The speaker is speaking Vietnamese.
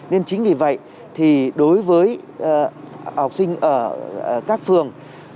nên chính vì vậy thì đối với học sinh ở các phường